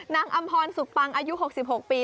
นางอำภอนสุกปังอายุ๖๖ปี